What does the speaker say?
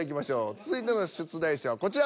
続いての出題者はこちら。